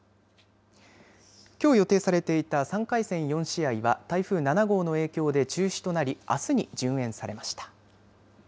きょう予定されていた３回戦４試合は台風７号の影響で中止となりあすに順延されました。